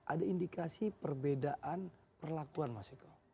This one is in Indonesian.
ada indikasi perbedaan perlakuan mas eko